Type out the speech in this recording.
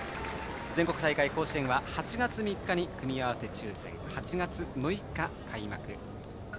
全国大会、甲子園は８月３日に組み合わせ抽選８月６日、開幕。